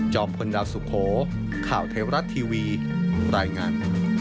พลดาวสุโขข่าวเทวรัฐทีวีรายงาน